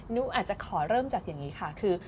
อาจจะขอเริ่มจากอย่างนี้ค่ะคือ